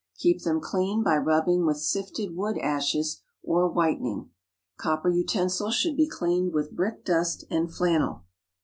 Keep them clean by rubbing with sifted wood ashes, or whitening. Copper utensils should be cleaned with brickdust and flannel.